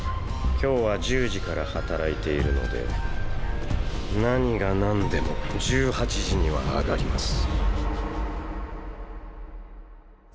今日は１０時から働いているので何がなんでも１８時には上がります。